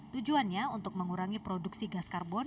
tujuannya untuk mengurangi produksi gas karbon